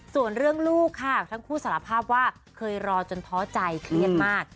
ส่วนเรื่องลูกค่ะทั้งคู่สารภาพว่าเคยรอจนท้อใจเครียดมาก